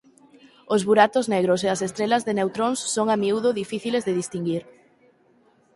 Os buratos negros e as estrelas de neutróns son a miúdo difíciles de distinguir.